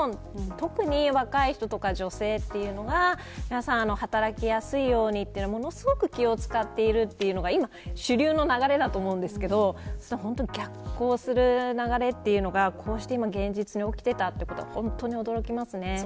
特に若い人や女性というのが働きやすいようにものすごく気を使っているというのが主流の流れだと思うんですけど逆行する流れというのがこうして現実に起きていたというのが本当に驚きます。